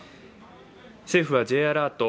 政府はＪアラート